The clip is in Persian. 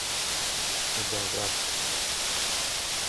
مجرب